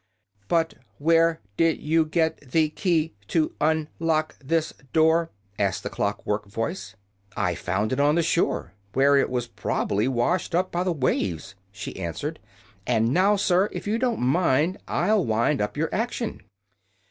"But where did you get the key to un lock this door?" asked the clock work voice. "I found it on the shore, where it was prob'ly washed up by the waves," she answered. "And now, sir, if you don't mind, I'll wind up your action."